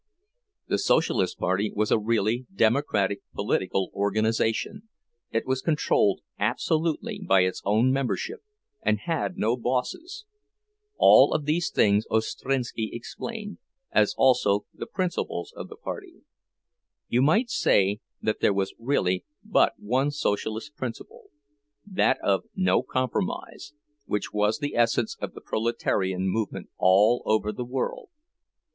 The Socialist party was a really democratic political organization—it was controlled absolutely by its own membership, and had no bosses. All of these things Ostrinski explained, as also the principles of the party. You might say that there was really but one Socialist principle—that of "no compromise," which was the essence of the proletarian movement all over the world.